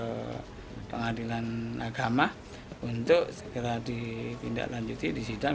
laporkan ke pengadilan agama untuk segera dipindah lanjuti di sidang